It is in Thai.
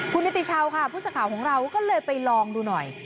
คุณนิติชาวค่ะผู้สื่อข่าวของเราก็เลยไปลองดูหน่อย